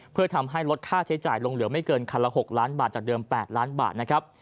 เพื่อทำให้ลดค่าใช้จ่ายลงเหลือไม่เกินคันละ๖ล้านบาทจากเดิม๘ล้านบาทนะครับ